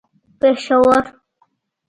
پېښور